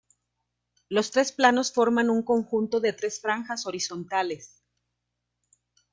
Los tres planos forman un conjunto de tres franjas horizontales.